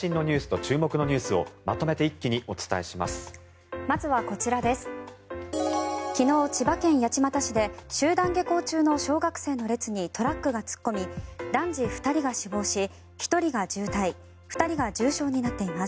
昨日、千葉県八街市で集団下校中の小学生の列にトラックが突っ込み男児２人が死亡し、１人が重体２人が重傷になっています。